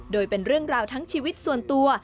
โดยเป็นเรื่องราวทั้งชีวิตส่วนตัว